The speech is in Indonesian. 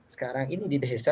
sekarang ini di desa